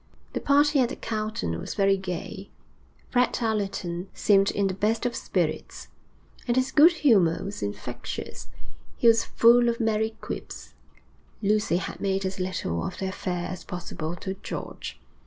The party at the Carlton was very gay. Fred Allerton seemed in the best of spirits, and his good humour was infectious. He was full of merry quips. Lucy had made as little of the affair as possible to George.